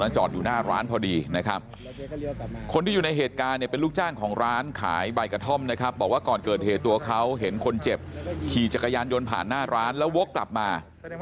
ซึ่งในเหตุการณ์เนี่ยเป็นลูกจ้างของร้านขายใบกระท่อมนะครับบอกว่าก่อนเกิดเหตุตัวเขาเห็นคนเจ็บขี่จักรยานยนต์ผ่านหน้าร้านแล้วโว๊คกลับมา